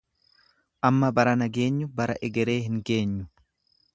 Amma barana geenyu bara egeree hin geenyu.